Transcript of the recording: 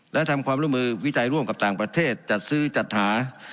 และทำความร่วมมือวิจัยร่วมกับต่างประเทศจัดซื้อจัดหา